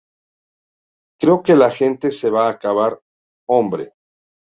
Creo que la gente se va a cavar, hombre.